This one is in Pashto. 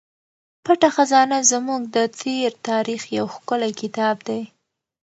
پټه خزانه زموږ د تېر تاریخ یو ښکلی کتاب دی.